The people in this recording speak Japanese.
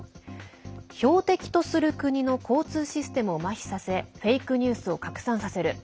標的とする国の交通システムをまひさせフェイクニュースを拡散させる。